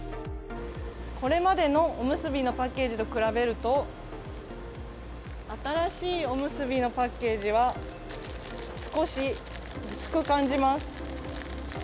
これまでのおむすびのパッケージと比べると新しいおむすびのパッケージは少し薄く感じます。